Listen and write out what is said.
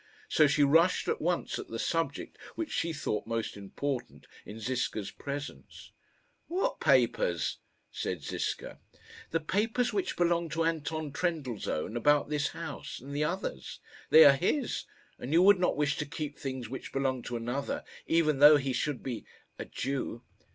So she rushed at once at the subject which she thought most important in Ziska's presence. "What papers?" said Ziska. "The papers which belong to Anton Trendellsohn about this house and the others. They are his, and you would not wish to keep things which belong to another, even though he should be a Jew."